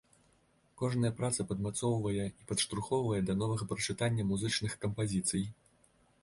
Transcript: Кожная праца падмацоўвае і падштурхоўвае да новага прачытання музычных кампазіцый.